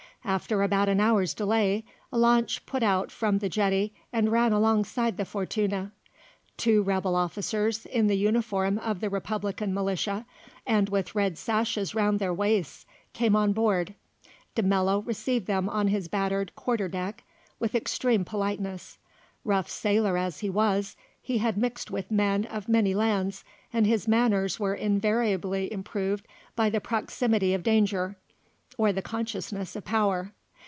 After about an hour's delay, a launch put out from the jetty and ran alongside the Fortuna. Two rebel officers in the uniform of the Republican Militia, and with red sashes round their waists, came on board. De Mello received them on his battered quarter deck, with extreme politeness. Rough sailor as he was, he had mixed with men of many lands, and his manners were invariably improved by the proximity of danger or the consciousness of power.